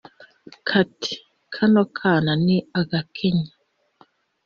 Kati: kano kana ni agakenya